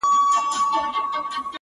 ما ستا لپاره په خزان کي هم کرل گلونه;